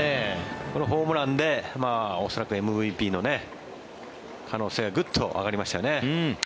このホームランで恐らくＭＶＰの可能性はグッと上がりましたよね。